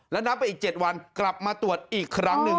และนับไปอีก๗วันกลับมาตรวจอีกครั้งหนึ่ง